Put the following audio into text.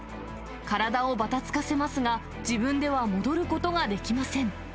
体をばたつかせますが、自分では戻ることができません。